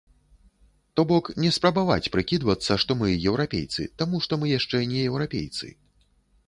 То бок, не спрабаваць прыкідвацца, што мы еўрапейцы, таму што мы яшчэ не еўрапейцы.